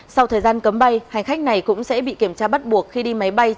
sau thời gian cấm bay hành khách này cũng sẽ bị kiểm tra bắt buộc khi đi máy bay